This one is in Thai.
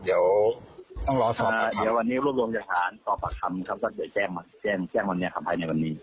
อย่างปลอดภัย